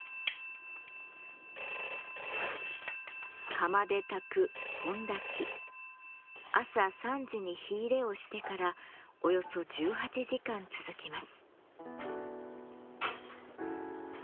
釜で焚く朝３時に火入れをしてからおよそ１８時間続きます。